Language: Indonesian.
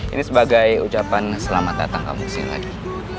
ini sebagai ucapan selamat datang kamu kesini lagi